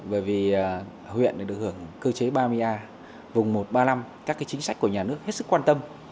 bởi vì huyện được hưởng cơ chế ba mươi a vùng một ba năm các cái chính sách của nhà nước hết sức quan tâm